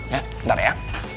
ya bentar ya